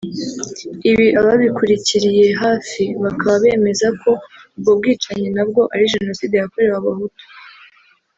Ibi ababikurikiriye hafi bakaba bemeza ko ubwo bwicanyi nabwo ari génocide yakorewe Abahutu